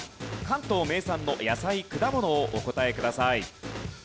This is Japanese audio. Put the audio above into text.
関東名産の野菜・果物をお答えください。